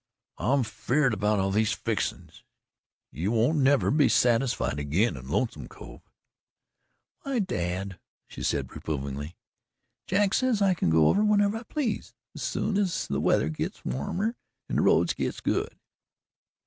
"I'm afeerd 'bout all these fixin's you won't never be satisfied agin in Lonesome Cove." "Why, dad," she said reprovingly. "Jack says I can go over whenever I please, as soon as the weather gits warmer and the roads gits good."